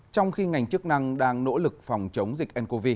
trong khi ngành chức năng đang nỗ lực phòng chống dịch ncov